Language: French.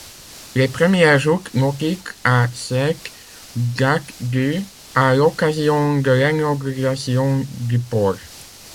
Les premières joutes nautiques à Sète datent du à l’occasion de l’inauguration du port.